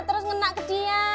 terus ngenak ke dia